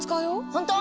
本当？